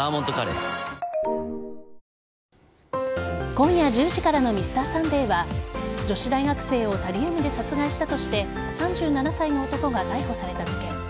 今夜１０時からの「Ｍｒ．サンデー」は女子大学生をタリウムで殺害したとして３７歳の男が逮捕された事件。